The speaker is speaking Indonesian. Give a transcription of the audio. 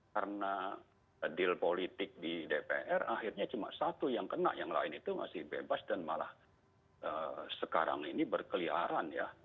karena deal politik di dpr akhirnya cuma satu yang kena yang lain itu masih bebas dan malah sekarang ini berkeliaran ya